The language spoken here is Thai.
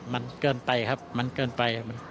มันเกินไปครับมันเกินไป